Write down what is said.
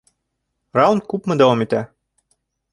Раунд күпме дауам итә?